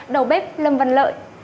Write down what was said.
đầu bếp lâm văn lợi